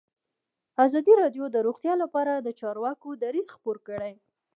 ازادي راډیو د روغتیا لپاره د چارواکو دریځ خپور کړی.